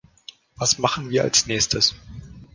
Was machen wir als Nächstes?